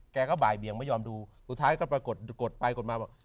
ก็บ่ายเบียงไม่ยอมดูสุดท้ายก็ปรากฏกดไปกดมาบอก